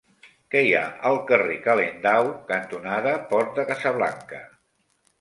Què hi ha al carrer Calendau cantonada Port de Casablanca?